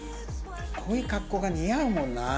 こういう格好が似合うもんな。